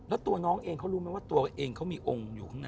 แล้วตัวน้องเองเขารู้ไหมว่าตัวเองเขามีองค์อยู่ข้างใน